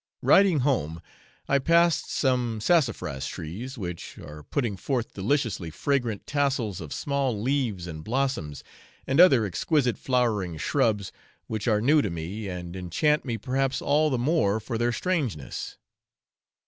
Riding home, I passed some sassafras trees, which are putting forth deliciously fragrant tassels of small leaves and blossoms, and other exquisite flowering shrubs, which are new to me, and enchant me perhaps all the more for their strangeness.